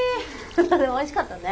でもおいしかったね。